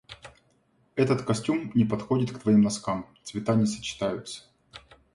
Этот костюм не подходит к твоим носкам. Цвета не сочетаются.